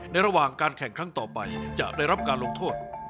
ระหว่างการแข่งครั้งต่อไปจะได้รับการลงโทษ